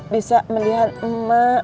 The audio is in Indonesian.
bisa melihat emak